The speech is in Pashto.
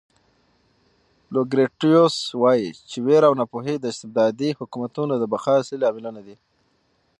لوکریټیوس وایي چې وېره او ناپوهي د استبدادي حکومتونو د بقا اصلي لاملونه دي.